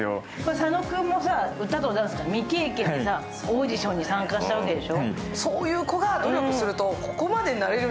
佐野君も歌とかダンス未経験でオーディションに参加したわけでしょ？